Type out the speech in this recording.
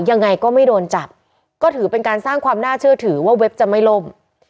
ยังไงก็ไม่โดนจับก็ถือเป็นการสร้างความน่าเชื่อถือว่าเว็บจะไม่ล่ม